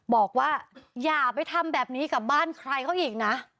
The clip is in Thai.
บอกว่าอย่าไปทำแบบนี้กับบ้านใครเขาอีกนะ